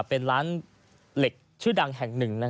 เป็นร้านเหล็กชื่อดังแห่งหนึ่ง